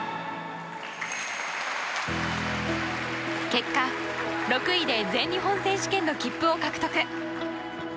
結果、６位で全日本選手権の切符を獲得。